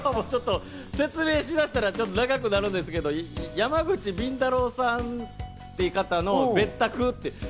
説明しだしたら長くなるんですけど、山口敏太郎さんていう方の別宅。